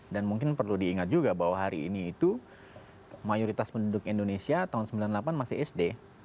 dan mungkin perlu diingat juga bahwa hari ini itu mayoritas penduduk indonesia tahun seribu sembilan ratus sembilan puluh delapan masih sd